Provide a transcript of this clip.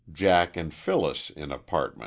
Jack and Phyllis in Apt.